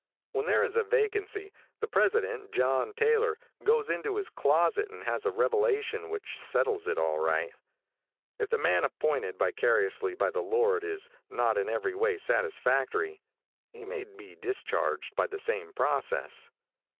When there is a vacancy, the president, John Taylor, goes into his closet and has a revelation which settles it all right. If the man appointed vicariously by the Lord is not in every way satisfactory, he may be discharged by the same process.